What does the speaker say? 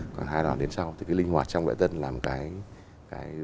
còn hai đoàn đến sau thì cái linh hoạt trong đoạn dân là một cái